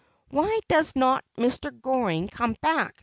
' Why does not Mr. Goring come back